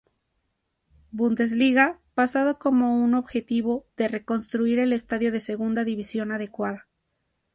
Bundesliga pasado como un objetivo de reconstruir el estadio de segunda división adecuada.